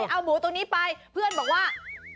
เอาหมูตัวนี้ไปเพื่อนบอกว่า